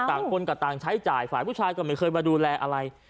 คนก็ต่างใช้จ่ายฝ่ายผู้ชายก็ไม่เคยมาดูแลอะไร